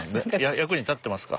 役に立ってますか？